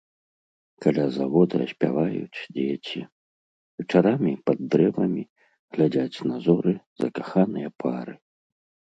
Каля завода спяваюць дзеці, вечарамі пад дрэвамі глядзяць на зоры закаханыя пары.